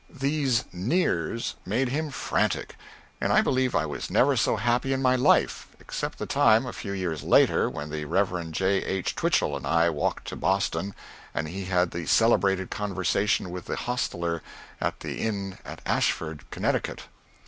These "nears" made him frantic, and I believe I was never so happy in my life, except the time, a few years later, when the Rev. J. H. Twichell and I walked to Boston and he had the celebrated conversation with the hostler at the Inn at Ashford, Connecticut.